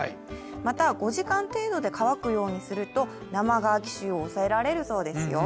また、５時間程度で乾くようにすると生乾き臭を抑えられるそうです。